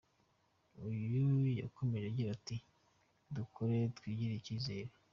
Uyu yakomeje agira ati “Dukore, twigirire icyizere.